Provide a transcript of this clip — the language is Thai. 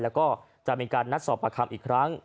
แล้วก็จะมีการนัดสอบประคำอีกครั้ง